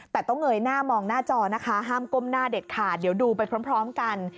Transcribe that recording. แต่ต้องเงยหน้ามองหน้าจอนะคะห้ามก้มหน้าเด็ดขาดเดี๋ยวดูไปพร้อมกัน